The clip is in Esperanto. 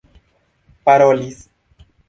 parolis